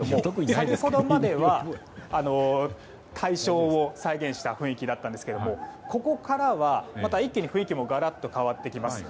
先ほどまでは大正を再現した雰囲気だったんですがここからは一気に雰囲気がガラッと変わります。